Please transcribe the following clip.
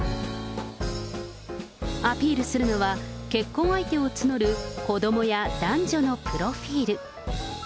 アピールするのは結婚相手を募る子どもや男女のプロフィール。